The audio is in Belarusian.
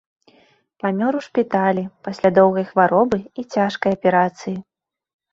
Памёр у шпіталі пасля доўгай хваробы і цяжкай аперацыі.